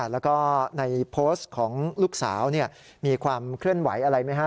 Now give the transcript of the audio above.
แล้วก็ในโพสต์ของลูกสาวมีความเคลื่อนไหวอะไรไหมฮะ